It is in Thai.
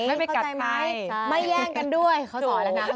ไม่ไปกัดใครใช่ไม่แย่งกันด้วยข้อสอนละนะ